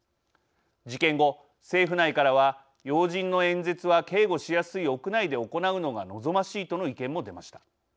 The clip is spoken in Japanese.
事件後政府内からは要人の演説は警護しやすい屋内で行うのが望ましいとの意見も出ました。